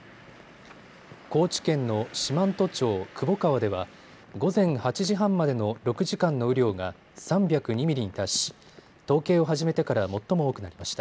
高知県の四万十町窪川では午前８時半までの６時間の雨量が３０２ミリに達し、統計を始めてから最も多くなりました。